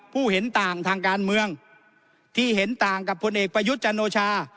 เห็นต่างทางการเมืองที่เห็นต่างกับพลเอกประยุทธ์จันโอชา